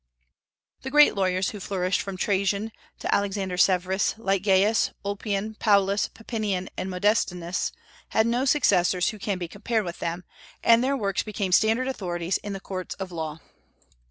The great lawyers who flourished from Trajan to Alexander Severus, like Gaius, Ulpian, Paulus, Papinian, and Modestinus, had no successors who can be compared with them, and their works became standard authorities in the courts of law.